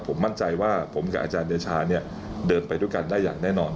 ผมมั่นใจว่าผมกับอาจารย์เดชาเนี่ยเดินไปด้วยกันได้อย่างแน่นอน